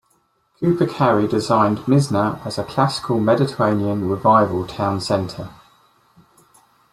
Cooper Carry designed Mizner as a classical Mediterranean revival town center.